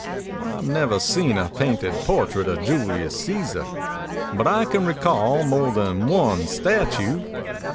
I've never seen a painted portrait of Julius Caesar, but I can recall more than one statue.